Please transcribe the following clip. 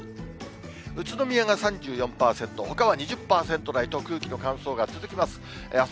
宇都宮が３４％、ほかは２０％台と、空気の乾燥が続きます。